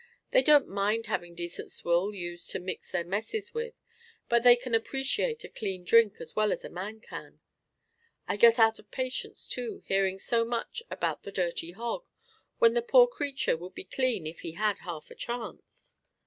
They don't mind having decent swill used to mix their messes with, but they can appreciate a clean drink as well as a man can. I get out of patience, too, hearing so much about the "dirty hog," when the poor creature would be clean if he had half a chance.